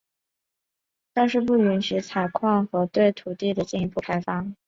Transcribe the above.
但是不允许采矿和对土地的进一步开发。